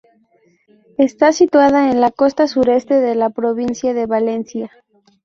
Está situada en la costa sureste de la provincia de Valencia.